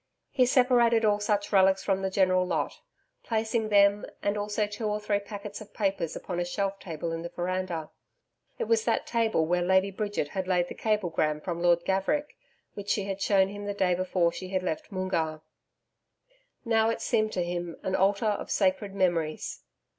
He separated all such relics from the general lot, placing them, and also two or three packets of papers upon a shelf table in the veranda it was that table where Lady Bridget had laid the cablegram from Lord Gaverick, which she had shown him the day before she had left Moongarr. Now it seemed to him an altar of sacred memories.